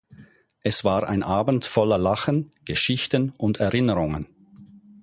Es war ein Abend voller Lachen, Geschichten und Erinnerungen.